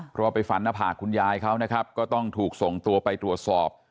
เพราะว่าไปฝันหน้าผากคุณยายเขานะครับก็ต้องถูกส่งตัวไปตรวจสอบ